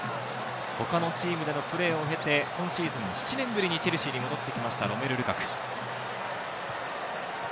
他のチームでのプレーを経て、今シーズン７年ぶりにチェルシーに戻ってきましたロメル・ルカク。